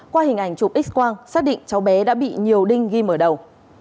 qua hình ảnh chụp x quang xác định cháu bé đã bị nhiều đinh ghi mở đầu